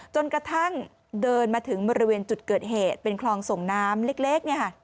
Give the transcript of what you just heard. จนกระทั่งเดินมาถึงบริเวณจุดเกิดเหตุเป็นคลองส่งน้ำเล็ก